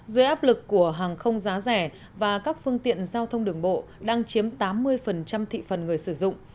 dưới áp lực của hàng không giá rẻ và các phương tiện giao thông đường bộ đang chiếm tám mươi thị phần người sử dụng